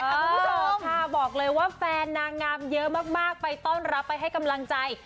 คุณผู้ชมค่ะบอกเลยว่าแฟนนางงามเยอะมากไปต้อนรับไปให้กำลังใจ